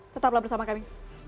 tetaplah bersama kami